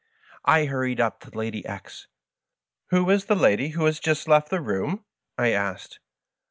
I hurried up to Lady X . "Who is the lady who has just left the room?" I asked.